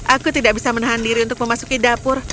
aku tidak bisa menahan diri untuk memasuki dapur